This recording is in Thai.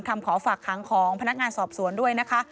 ขอฝากขังของพนักงานสอบสวนด้วยนะคะ